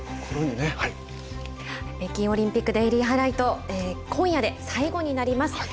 北京オリンピックデイリーハイライトで今夜で最後になります。